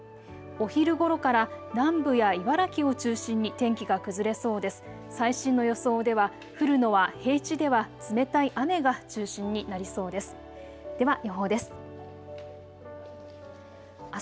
お昼ごろから南部や茨城を中心に天気が崩れそうです。